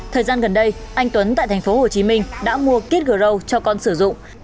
thời gian gần đây anh tuấn tại thành phố hồ chí minh đã mua kikro cho con sử dụng